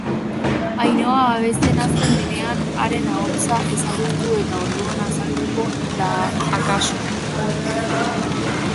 Ainhoa abesten hasten denean haren ahotsa ezagutu eta orduan azalduko da akaso...